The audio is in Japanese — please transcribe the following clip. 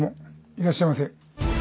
いらっしゃいませ。